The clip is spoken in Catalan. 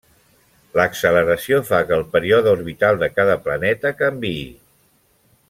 L'acceleració fa que el període orbital de cada planeta canviï.